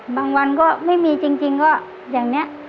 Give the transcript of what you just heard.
บางวันก็ไม่มีจริงก็อย่างนี้